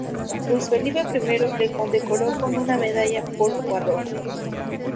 Luis Felipe I le condecoró con una medalla por su arrojo.